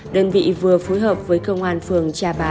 đơn vị vừa phối hợp với công an phường cha bá